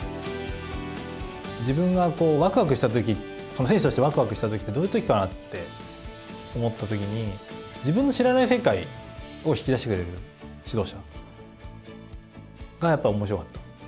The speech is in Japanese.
自分がこうワクワクした時選手としてワクワクした時ってどういう時かなって思った時に自分の知らない世界を引き出してくれる指導者がやっぱ面白かった。